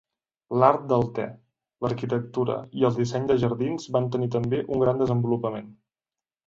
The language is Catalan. L'art del te, l'arquitectura i el disseny de jardins van tenir també un gran desenvolupament.